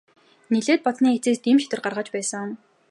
Нэлээд бодсоны эцэст ийм шийдвэр гаргаж байсан.